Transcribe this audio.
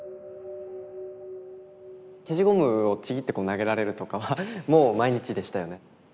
消しゴムをちぎって投げられるとかはもう毎日でしたよね。